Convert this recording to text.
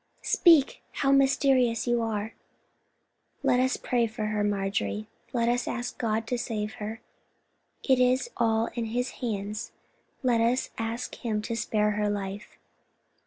"Speak. How mysterious you are!" "Let us pray for her, Marjorie; let us ask God to save her. It is all in His hands. Let us ask Him to spare her life."